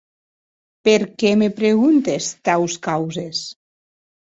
Per qué me preguntes taus causes?